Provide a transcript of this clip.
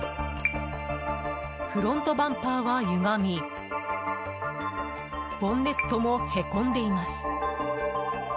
フロントバンパーはゆがみボンネットもへこんでいます。